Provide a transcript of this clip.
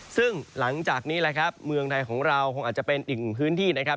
ซึ่งหลังจากนี้แหละครับเมืองไทยของเราคงอาจจะเป็นอีกหนึ่งพื้นที่นะครับ